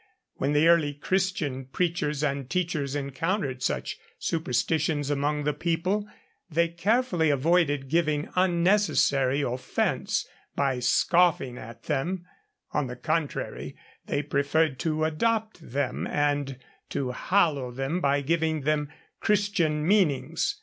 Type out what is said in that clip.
When the early Christian preachers and teachers encountered such superstitions among the people, they carefully avoided giving unnecessary offence by scoffing at them; on the contrary they preferred to adopt them, and to hallow them by giving them Christian meanings.